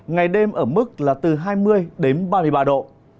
ngày đêm ở mức là từ hai mươi đến ba mươi ba độ